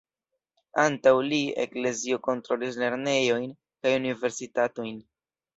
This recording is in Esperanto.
Antaŭ li, Eklezio kontrolis lernejojn kaj Universitatojn.